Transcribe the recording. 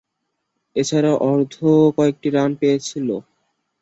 এছাড়াও কয়েকটি অর্ধ-শতরানের কাছাকাছি রান পেয়েছিলেন।